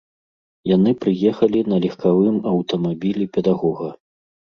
Яны прыехалі на легкавым аўтамабілі педагога.